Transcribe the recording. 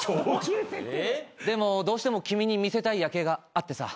でもどうしても君に見せたい夜景があってさ。